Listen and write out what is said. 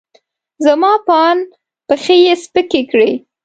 زما په اند، پښې یې سپکې کړې.